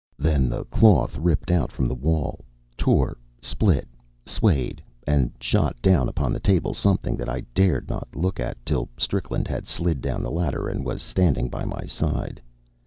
Then the cloth ripped out from the walls, tore, split, swayed, and shot down upon the table something that I dared not look at till Strickland had slid down the ladder and was standing by my side.